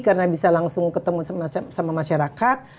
karena bisa langsung ketemu sama masyarakat